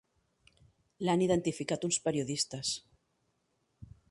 L'han identificat uns periodistes.